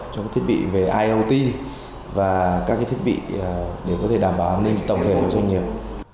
cho các thiết bị về iot và các thiết bị để có thể đảm bảo an ninh tổng thể của doanh nghiệp